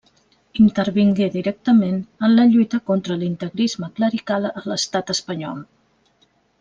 Intervingué directament en la lluita contra l'integrisme clerical a l'estat espanyol.